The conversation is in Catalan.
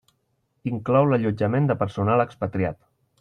Inclou l'allotjament de personal expatriat.